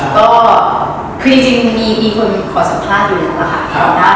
ก็คือจริงมีคนขอสัมภาษณ์อยู่นะคะ